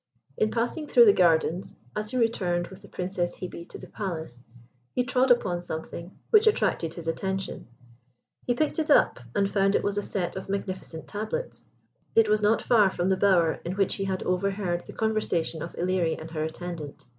In passing through the gardens, as he returned with the Princess Hebe to the Palace, he trod upon something which attracted his attention. He picked it up, and found it was a set of magnificent tablets. It was not far from the bower in which he had overheard the conversation of Ilerie and her attendant.